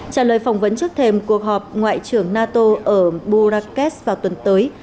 trả lời phỏng vấn trước thềm cuộc họp ngoại trưởng nato ở burakes vào tuần tới